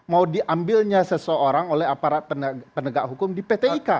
mau diambilnya seseorang oleh aparat penegak hukum di pt ika